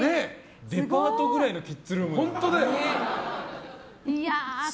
デパートくらいのキッズルームだよ。